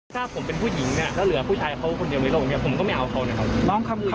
ถ้าผมเป็นผู้หญิงเนี่ยแล้วเหลือผู้ชายเขาคนเดียวในโลกอย่างนี้ผมก็ไม่เอาเขานะครับ